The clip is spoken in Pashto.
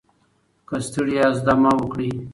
که ستړي یاست دم وکړئ.